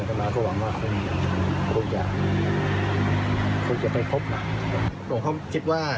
ก็มาก็หวังว่าคุณคุณจะคุณจะไปพบน่ะผมคิดว่า